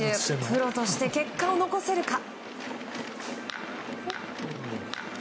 プロとして結果を残せるか。